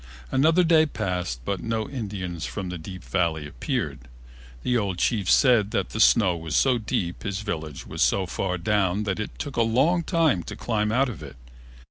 Another day passed but no Indians from the deep Valley appeared. The old chief said that the snow was so deep and his village was so far down that it took a long time to climb out of it.